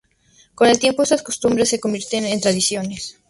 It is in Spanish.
Con el tiempo, estas costumbres se convierten en tradiciones.